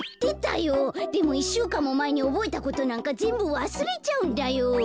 でも１しゅうかんもまえにおぼえたことなんかぜんぶわすれちゃうんだよ。